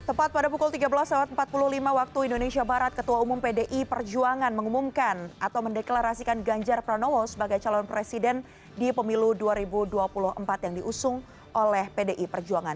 tepat pada pukul tiga belas empat puluh lima waktu indonesia barat ketua umum pdi perjuangan mengumumkan atau mendeklarasikan ganjar pranowo sebagai calon presiden di pemilu dua ribu dua puluh empat yang diusung oleh pdi perjuangan